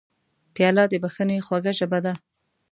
پیاله د بښنې خوږه ژبه ده.